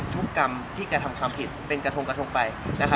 กรรมที่กระทำความผิดเป็นกระทงกระทงไป